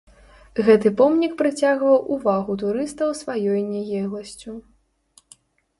Гэты помнік прыцягваў увагу турыстаў сваёй нягегласцю.